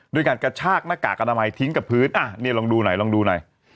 ด้วยการกระชากหน้ากากอนามัยทิ้งกับพื้นอ่ะนี่ลองดูหน่อยลองดูหน่อย